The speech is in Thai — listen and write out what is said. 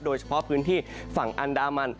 โดยเฉพาะพื้นที่ฝั่งอันดามัน